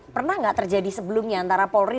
pernah nggak terjadi sebelumnya antara polri